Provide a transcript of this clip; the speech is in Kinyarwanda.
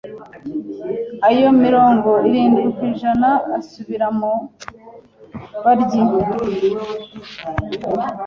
ayo mirongo irindwi kwijana asubira mu baryi.